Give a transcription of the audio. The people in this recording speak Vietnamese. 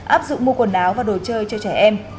áp dụng mua quần áo và đồ chơi cho trẻ em